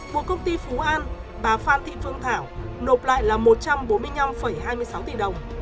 buộc công ty phú an bà phan thị phương thảo nộp lại là một trăm bốn mươi năm hai mươi sáu tỷ đồng